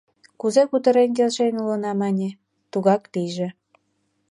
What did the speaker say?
— Кузе кутырен келшен улына, — мане, — тугак лийже!